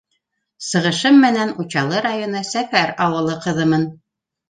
Сығышым менән Учалы районы Сәфәр ауылы ҡыҙымын.